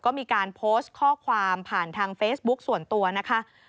ก็มีการโพสต์ข้อความผ่านทางเฟซบุ๊คส่วนตัวนะคะ